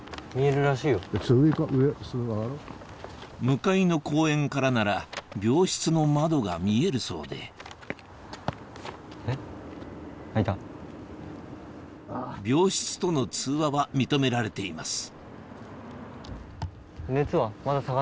向かいの公園からなら病室の窓が見えるそうで病室との通話は認められています